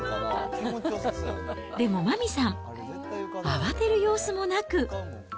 でも麻美さん、慌てる様子もなく。